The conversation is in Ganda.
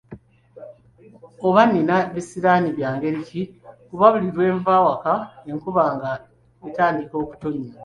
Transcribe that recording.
Oba nina bisiraani bya ngeri ki kuba buli lwe nva awaka enkuba nga etandika okutonnya?